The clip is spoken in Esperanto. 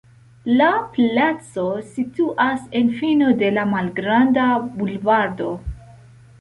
La placo situas en fino de la malgranda bulvardo.